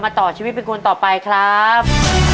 ต่อชีวิตเป็นคนต่อไปครับ